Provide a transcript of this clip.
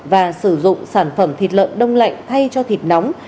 và sử dụng sản phẩm thịt lợn đông lạnh thay cho thịt nóng